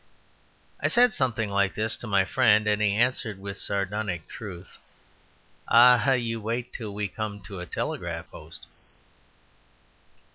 I said something like this to my friend; and he answered with sardonic truth, "Ah, you wait till we come to a telegraph post."